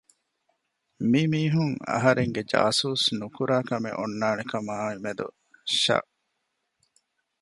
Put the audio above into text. މި މީހުން އަހަރެންގެ ޖާސޫސް ނުކުރާ ކަމެއް އޮންނާނެ ކަމާއި މެދު ޝައްއް